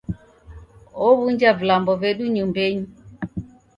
Ow'unja vilambo vedu nyumbenyi.